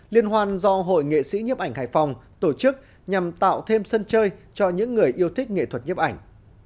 liên hoan do hội nghệ sĩ nhiếp ảnh hải phòng tổ chức nhằm tạo thêm sân chơi cho những người yêu thích nghệ thuật nhiếp ảnh